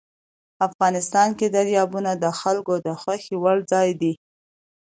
افغانستان کې دریابونه د خلکو د خوښې وړ ځای دی.